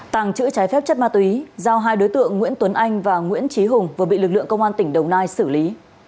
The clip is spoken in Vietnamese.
tàng trữ trái phép chất ma túy giao hai đối tượng nguyễn tuấn anh và nguyễn trí hùng vừa bị lực lượng công an tỉnh đồng nai xử lý